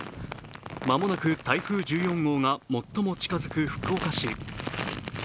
まもなく台風１４号が最も近づく福岡市。